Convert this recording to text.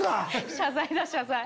謝罪だ謝罪。